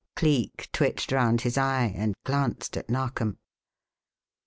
Cleek twitched round his eye and glanced at Narkom.